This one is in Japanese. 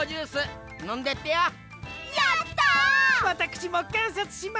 わたくしもかんさつします。